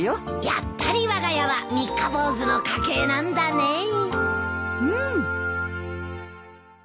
やっぱりわが家は三日坊主の家系なんだねぇ。